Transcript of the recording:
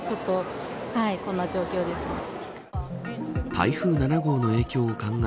台風７号の影響を考え